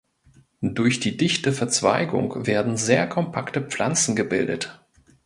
Durch die dichte Verzweigung werden sehr kompakte Pflanzen gebildet.